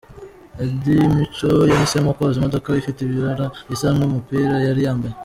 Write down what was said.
Eddie Mico yahisemo koza imodoka ifite ibara risa nk'umupira yari yambaye.